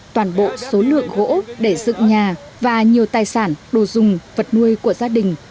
toàn bộ số lượng gỗ để dựng nhà và nhiều tài sản đồ dùng vật nuôi của gia đình